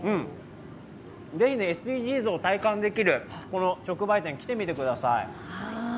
ぜひＳＤＧｓを体感できるこの直売店に来てみてください。